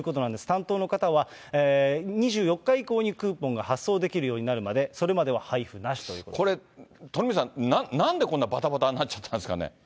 担当の方は、２４日以降にクーポンが発送できるようになるまで、それまでは配これ、鳥海さん、なんでこんなにばたばたになっちゃったんですかね。